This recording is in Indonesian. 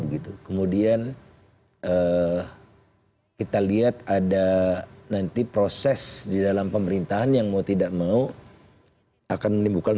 gitu kemudian kita lihat ada nanti proses di dalam pemerintahan yang mau tidak mau akan menimbulkan